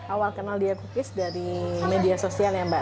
awal kenal dia cookies dari media sosial ya mbak